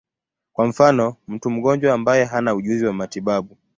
Kwa mfano, mtu mgonjwa ambaye hana ujuzi wa matibabu.